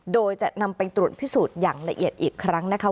โดยจะนำไปตรวจพิสูจน์อย่างละเอียดอีกครั้งนะคะ